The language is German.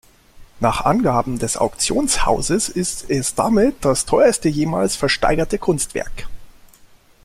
Nach Angaben des Auktionshauses ist es damit das teuerste jemals versteigerte Kunstwerk.